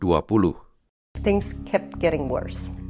hal hal yang terus berkembang